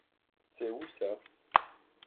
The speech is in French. C’est où ça?